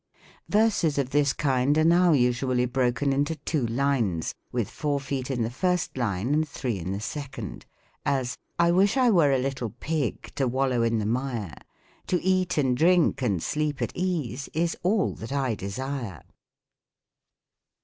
Verses of this kind are now usually broken into two lines, with four feet in the first line, and three in the second : as, " I wish I were a little pig To wallow in the mire, To eat, and drink, and sleep at ease Is all that I desire."